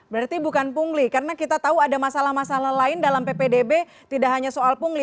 berarti bukan pungli karena kita tahu ada masalah masalah lain dalam ppdb tidak hanya soal pungli